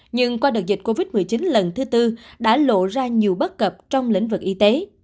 nhưng qua đợt dịch covid một mươi chín lần thứ tư đã lộ ra nhiều bất cập trong lĩnh vực y tế